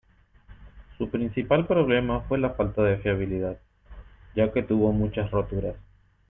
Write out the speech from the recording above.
Su principal problema fue la falta de fiabilidad, ya que tuvo muchas roturas.